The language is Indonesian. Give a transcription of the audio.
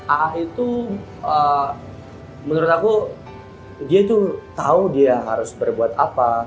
ah itu menurut aku dia tuh tau dia harus berbuat apa